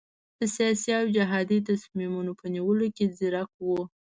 د سیاسي او جهادي تصمیمونو په نیولو کې ځیرک وو.